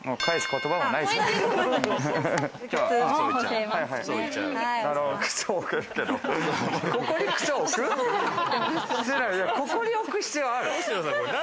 ここに置く必要ある？